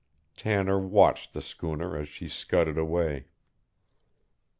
Tanner watched the schooner as she scudded away.